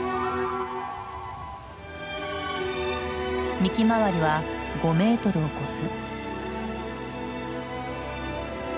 幹周りは５メートルを超す。